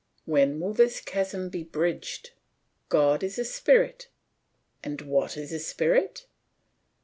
When will this chasm be bridged? "God is a spirit." "And what is a spirit?"